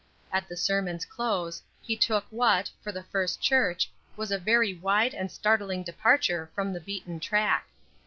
At the sermon's close, he took what, for the First Church, was a very wide and startling departure from the beaten track.